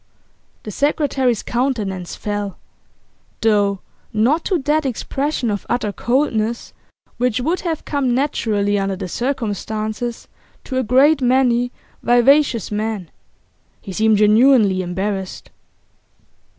The secretary's countenance fell, though not to that expression of utter coldness which would have come naturally under the circumstances to a great many vivacious men. He seemed genuinely embarrassed.